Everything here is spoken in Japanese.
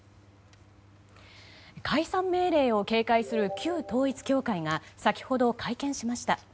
解散命令を警戒する旧統一教会が先ほど会見しました。